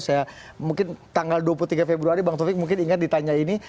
saya mungkin tanggal dua puluh tiga februari bang taufik mungkin ingat ditanya ini